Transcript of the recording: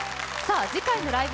次回の「ライブ！